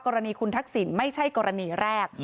กรณีคุณทักษิณไม่ใช่กรณีแรก